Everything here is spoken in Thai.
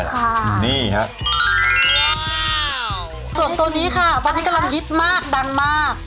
ส่วนตัวนี้ค่ะตอนนี้กำลังยิดมากดันมาก